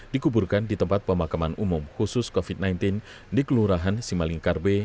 dikuburkan di tempat pemakaman umum khusus covid sembilan belas di kelurahan simalingkar b